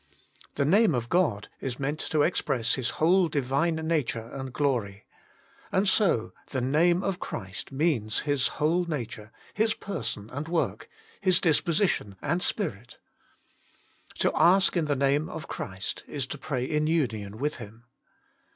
The Name of God is meant to express His whole Divine nature and glory. And so the Name of Christ means His whole nature, His person and work, His disposition and Spirit To ask in the Name of Christ is to pray in union with Him.